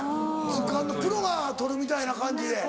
図鑑のプロが撮るみたいな感じで。